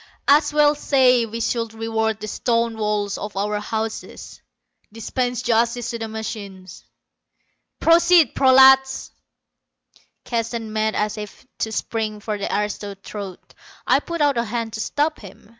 As well say we should reward the stone walls of our houses; dispense justice to the machines. Proceed, prolats!" Keston made as if to spring for the aristo's throat. I put out a hand to stop him.